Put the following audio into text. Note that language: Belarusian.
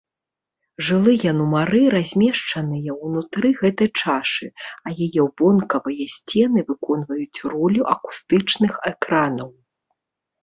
Жылыя нумары размешчаныя ўнутры гэтай чашы, а яе вонкавыя сцены выконваюць ролю акустычных экранаў.